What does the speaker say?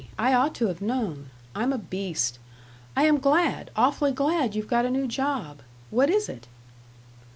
I ought to have known. I'm a beast. I am glad, awfully glad you've got a new job. What is it?"